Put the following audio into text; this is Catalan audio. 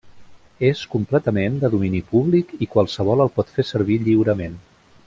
És completament de domini públic i qualsevol el pot fer servir lliurement.